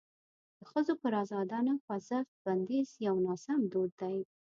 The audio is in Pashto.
د ښځو پر ازادانه خوځښت بندیز یو ناسم دود دی.